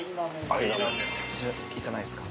いかないですか？